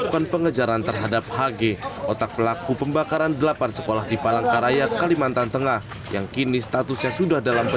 dua orang pelaku pembakaran delapan sekolah di kota palangkaraya kalimantan tengah ini berhasil ditangkap